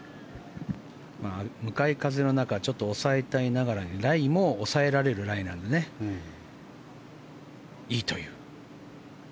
向かい風の中抑えたいながらにラインも抑えられるライなのでいいという。